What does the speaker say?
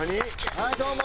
はいどうも！